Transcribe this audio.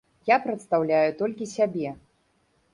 Я прадстаўляю толькі сябе.